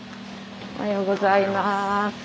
おはようございます。